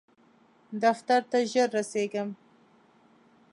دفتر ته ژر رسیږم